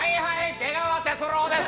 出川哲朗です！